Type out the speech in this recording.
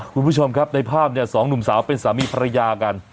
คุณผู้ชมครับในภาพเนี่ยสองหนุ่มสาวเป็นสามีภรรยากัน